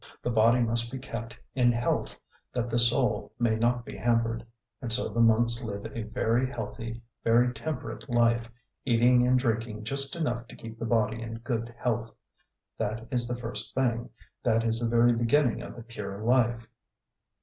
The body must be kept in health, that the soul may not be hampered. And so the monks live a very healthy, very temperate life, eating and drinking just enough to keep the body in good health; that is the first thing, that is the very beginning of the pure life.